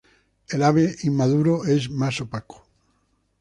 El ave inmaduro es más opaco.